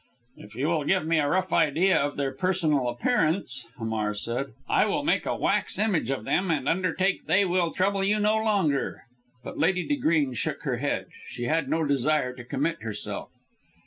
"If you will give me a rough idea of their personal appearance," Hamar said, "I will make a wax image of them, and undertake they will trouble you no longer." But Lady De Greene shook her head. She had no desire to commit herself.